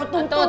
tuh tuh tuh tuh